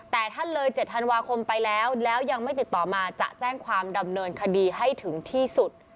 แต่ท่านเลย๗ธันวาคมไปแล้วแล้วยังไม่ติดต่อมาจะแจ้งความดำเนินคดีให้ถึงที่สุด